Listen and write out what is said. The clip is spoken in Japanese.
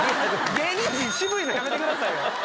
芸人陣渋いのやめてくださいよ。